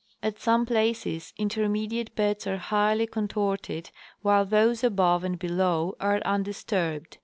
At some places inter mediate beds are highly contorted, while those above and beloM'' are undisturbed.